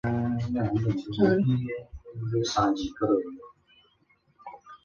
亚罗米尔以答应将波希米亚成为神圣罗马帝国藩属诱使亨利二世支持。